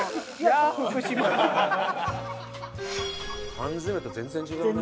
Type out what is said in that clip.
缶詰と全然違うね。